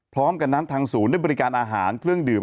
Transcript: พร้อมกันนั้นทางศูนย์ได้บริการอาหารเครื่องดื่ม